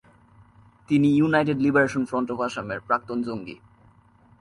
তিনি United Liberation Front of আসামের প্রাক্তন জঙ্গি।